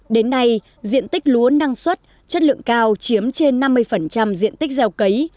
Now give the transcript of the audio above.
đến nay diện tích lúa năng suất chất lượng cao chiếm trên năm mươi diện tích gieo cấy